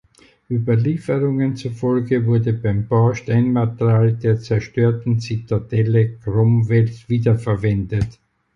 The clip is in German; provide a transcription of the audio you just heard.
Überlieferungen zufolge wurde beim Bau Steinmaterial der zerstörten Zitadelle Cromwells wiederverwendet.